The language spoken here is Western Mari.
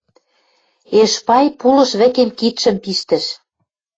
Эшпай пулыш вӹкем кидшӹм пиштӹш